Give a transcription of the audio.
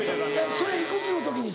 それ幾つの時に？